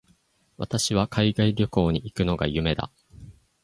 私は海外旅行に行くのが夢だ。